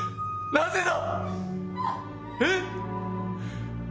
なぜだ！